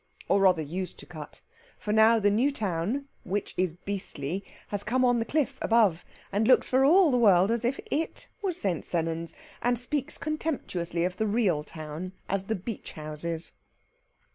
Or, rather, used to cut; for now the new town (which is beastly) has come on the cliff above, and looks for all the world as if it was St. Sennans, and speaks contemptuously of the real town as the Beach Houses.